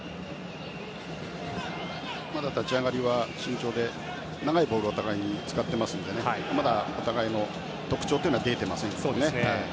まだ立ち上がりは慎重で長いボールをお互いに使っていますのでまだ、お互いの特徴は出ていませんね。